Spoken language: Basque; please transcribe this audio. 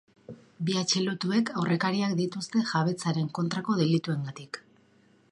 Bi atxilotuek aurrekariak dituzte jabetzaren kontrako delituengatik.